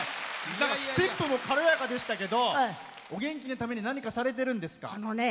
ステップも軽やかでしたけどお元気のために何かされてるんですか？